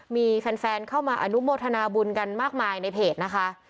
มีแฟนเข้ามาอนุโมทนาบุญกันมากมายในเพจนะคะ